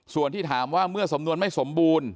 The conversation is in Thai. ส่วนที่ถามว่าเมื่อสำนวนไม่สมบูรณ์